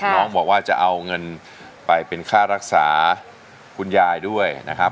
น้องบอกว่าจะเอาเงินไปเป็นค่ารักษาคุณยายด้วยนะครับ